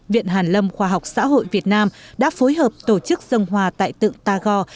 viện hàn lâm khoa học xã hội việt nam đã phối hợp tổ chức dân hòa tại tượng tagore